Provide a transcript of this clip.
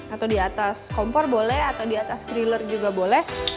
atau di atas kompor boleh atau di atas thriller juga boleh